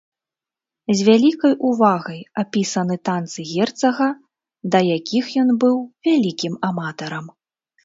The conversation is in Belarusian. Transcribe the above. З вялікай увагай апісаны танцы герцага, да якіх ён быў вялікім аматарам.